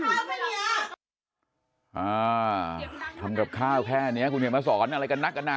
อ่าทำกับข้าวแค่นี้คุณเนี่ยมาสอนอะไรกันนักกันนะ